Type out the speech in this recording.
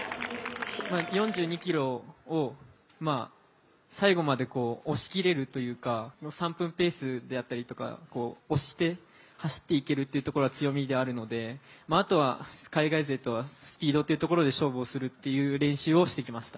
４２ｋｍを最後まで押し切れるというか、３分ペースであったりとか、押して走って行けるというところは強みであるので、あとは海外勢とはスピードというところで勝負するという練習を重ねてきました。